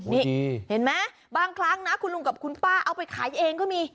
นี่เห็นไหมบางครั้งนะคุณลุงกับคุณป้าเอาไปขายเองก็มี